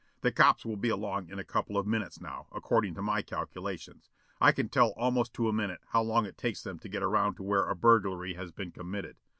The cops will be along in a couple of minutes now, according to my calculations. I can tell almost to a minute how long it takes them to get around to where a burglary has been committed.